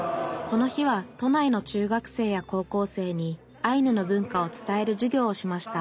この日は都内の中学生や高校生にアイヌの文化を伝える授業をしました